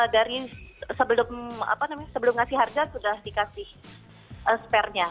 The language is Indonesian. dari sebelum ngasih harga sudah dikasih spare nya